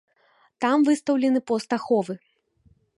Там выстаўлены пост аховы.